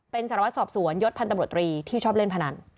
เป็นสารวัฒน์สอบสวนยศพันธุ์ตำรวจตรีที่ชอบเล่นพนัน